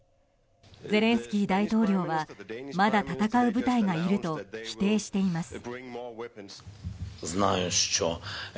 ゼレンスキー大統領はまだ戦う部隊がいると否定しています。